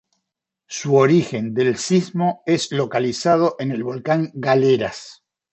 Su origen del sismo es localizado en el volcán Galeras.